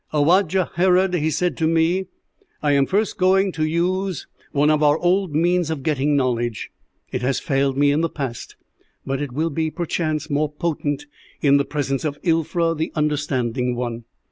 "'Howajja Herod,' he said to me, 'I am first going to use one of our old means of getting knowledge. It has failed me in the past, but it will be, perchance, more potent in the presence of Ilfra the Understanding One.'